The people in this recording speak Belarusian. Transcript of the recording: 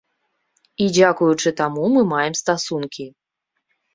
І дзякуючы таму мы маем стасункі.